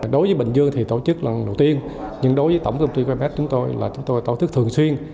đối với bình dương thì tổ chức lần đầu tiên nhưng đối với tổng công ty finpack chúng tôi là chúng tôi tổ chức thường xuyên